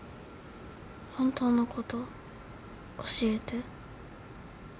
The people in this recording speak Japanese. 本当のこと教えて。